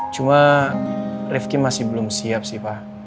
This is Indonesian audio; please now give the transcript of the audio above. cuma rifki masih belum siap sih pak